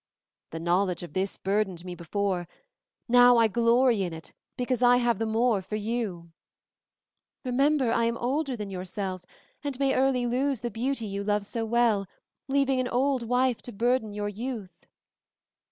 "The knowledge of this burdened me before; now I glory in it because I have the more for you." "Remember, I am older than yourself, and may early lose the beauty you love so well, leaving an old wife to burden your youth."